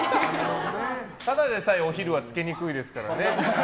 ただでさえお昼はつけにくいですからね。